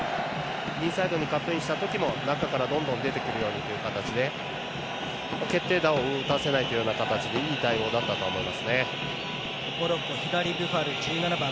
インサイドにカットインした時も中からどんどん出てくる形で決定打を打たせないという形でいい対応だったと思います。